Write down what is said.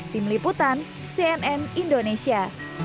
tim liputan cnn indonesia